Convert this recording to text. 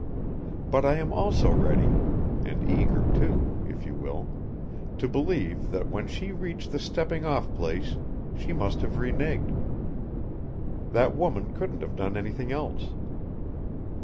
But I am also ready and eager, too, if you will, to believe that when she reached the stepping off place she must have reneged. That woman couldn't have done anything else.